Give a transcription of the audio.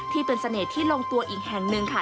ที่เป็นเสน่ห์ที่ลงตัวอีกแห่งหนึ่งค่ะ